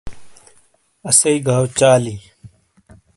اسی گاو چالی